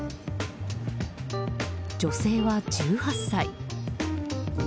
女性は１８歳。